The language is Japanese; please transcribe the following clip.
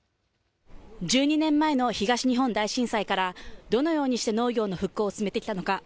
１２年前の東日本大震災から、どのようにして農業の復興を進めてきたのか。